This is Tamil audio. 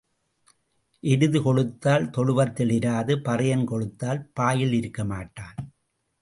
எருது கொழுத்தால் தொழுவத்தில் இராது பறையன் கொழுத்தால் பாயில் இருக்க மாட்டான்.